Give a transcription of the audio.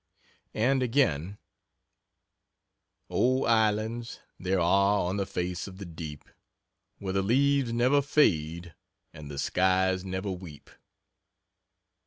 And again: "Oh, Islands there are on the face of the deep Where the leaves never fade and the skies never weep."